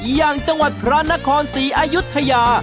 อย่างจังหวัดพระนครศรีอายุทยา